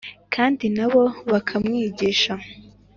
kandi nabo bakamwigisha